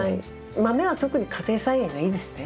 豆は特に家庭菜園がいいですね。